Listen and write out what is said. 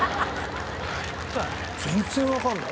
全然わかんない。